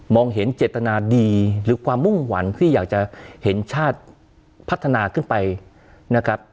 เห็นเจตนาดีหรือความมุ่งหวังที่อยากจะเห็นชาติพัฒนาขึ้นไปนะครับ